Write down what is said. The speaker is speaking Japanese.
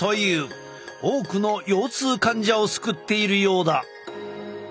多くの腰痛患者を救っているようだ。